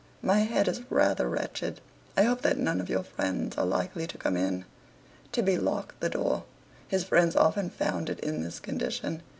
"My head is rather wretched. I hope that none of your friends are likely to come in." Tibby locked the door. His friends often found it in this condition.